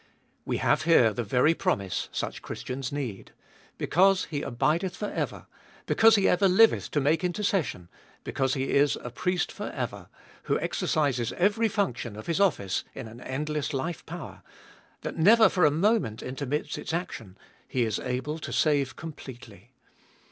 We have here the very promise such Christians need. Because he abideth for ever,, Cbe Doliest of 2UI 253 because He ever liveth to make intercession, because He is a Priest for ever, who exercises every function of His office in an endless life power, that never for a moment intermits its action, He is able to save completely.